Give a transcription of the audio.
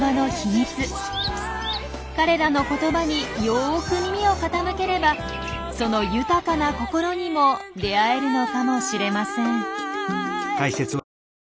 彼らの言葉によく耳を傾ければその豊かな心にも出会えるのかもしれません。